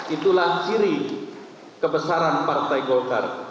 itulah ciri kebesaran partai golkar